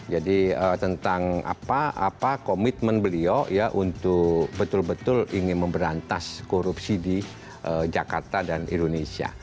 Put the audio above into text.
jadi tentang apa komitmen beliau ya untuk betul betul ingin memberantas korupsi di jakarta dan indonesia